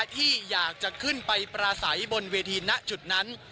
ที่อยากจะขึ้นไปปราศัยบนเวทีณจุดนั้น